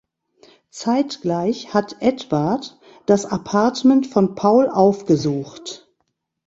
Zeitgleich hat Edward das Apartment von Paul aufgesucht.